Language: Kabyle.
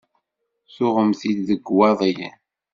Tuɣem-t-id deg Iwaḍiyen?